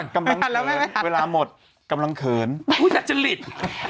คุณสุดท้ายคุณสุดท้าย